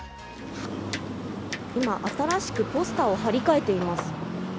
今、新しくポスターを貼り替えています。